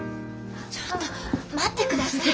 ちょっと待って下さい。